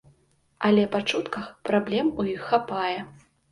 Але па чутках праблем у іх хапае!